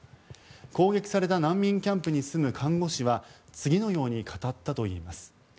攻撃された難民キャンプに住む看護師は次のように語ったといいます。